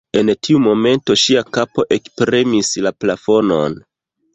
En tiu momento ŝia kapo ekpremis la plafonon.